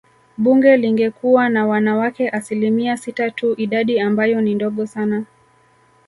Bunge lingekuwa na wanawake asilimia sita tu idadi ambayo ni ndogo sana